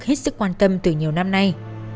hít sức quan tâm từ nhiều năm nay